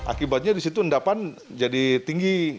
akibatnya di situ endapan jadi tinggi